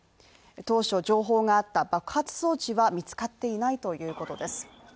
当初、情報があった爆発装置は見つかっていないということです。